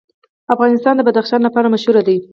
افغانستان د بدخشان لپاره مشهور دی.